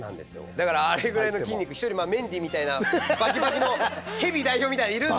だからあれぐらいの筋肉一人メンディーみたいなバキバキのヘビ代表みたいなのいるんですけど。